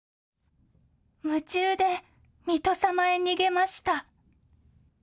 夢中で水戸様へ逃げました。